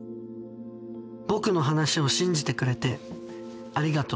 「僕の話を信じてくれてありがとう」。